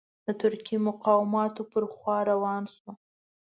د ترکي مقاماتو پر خوا روان شو.